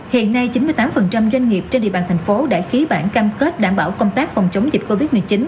hiện nay chín mươi tám doanh nghiệp trên địa bàn thành phố đã ký bản cam kết đảm bảo công tác phòng chống dịch covid một mươi chín